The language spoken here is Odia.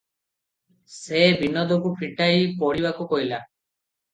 ସେ ବିନୋଦକୁ ଫିଟାଇ ପଢ଼ିବାକୁ କହିଲା ।